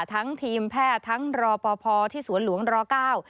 ทั้งทีมแพทย์ทั้งรอปภที่สวนหลวงรเก้า